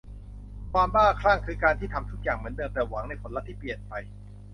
ความบ้าคลั่งคือการที่ทำทุกอย่างเหมือนเดิมแต่หวังในผลลัพธ์ที่เปลี่ยนไป